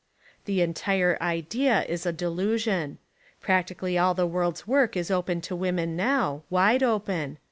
The entire idea Is a delusion. Practically all of the world's work is open to women now, wide open.